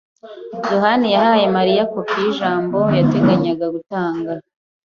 yohani yahaye Mariya kopi yijambo yateganyaga gutanga.